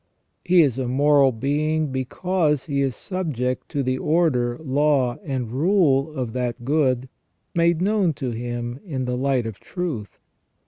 He is a moral being because he is subject to the order, law, and rule of that good, made known to him in the light of truth.